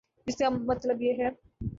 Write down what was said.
جس کا مطلب یہ ہے۔